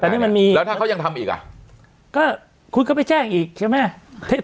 แต่นี่มันมีแล้วถ้าเขายังทำอีกอ่ะก็คุณก็ไปแจ้งอีกใช่ไหม